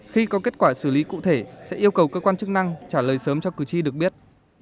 khi có kết quả xử lý cụ thể sẽ yêu cầu cơ quan chức năng trả lời sớm cho cử tri được biết